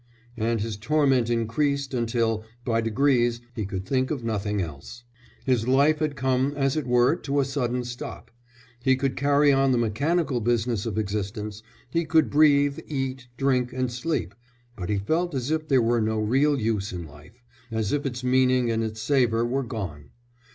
and his torment increased until, by degrees, he could think of nothing else. His life had come, as it were, to a sudden stop. He could carry on the mechanical business of existence, he could breathe, eat, drink, and sleep, but he felt as if there were no real use in life, as if its meaning and its savour were gone.